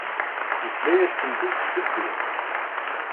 Yafla-yas-tent-id s deffir.